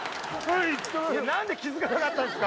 なんで気付かなかったんですか。